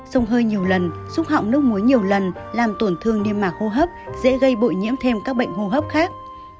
sông hơi nhiều lần xúc họng nước muối nhiều lần làm tổn thương niêm mạc hô hấp dễ gây bụi nhiễm thêm các bệnh hô hấp khác